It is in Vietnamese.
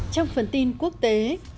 trong phần tin quốc tế